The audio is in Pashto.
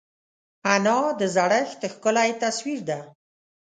انا د زړښت ښکلی تصویر ده